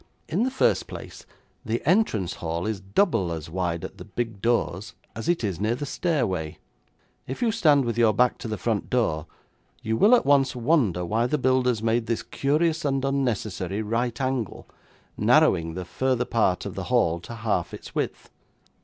In the first place, the entrance hall is double as wide at the big doors as it is near the stairway. If you stand with your back to the front door you will at once wonder why the builders made this curious and unnecessary right angle, narrowing the farther part of the hall to half its width.